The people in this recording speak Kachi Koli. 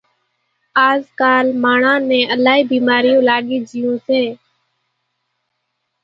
آز ڪالِ ماڻۿان نين الائِي ڀيمارِيون لاڳِي جھيوُن سي۔